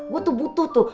gue tuh butuh tuh